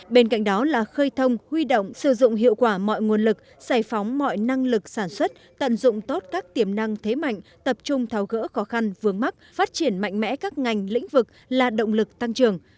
bên cạnh đó là khơi thông huy động sử dụng hiệu quả mọi nguồn lực giải phóng mọi năng lực sản xuất tận dụng tốt các tiềm năng thế mạnh tập trung tháo gỡ khó khăn vướng mắt phát triển mạnh mẽ các ngành lĩnh vực là động lực tăng trưởng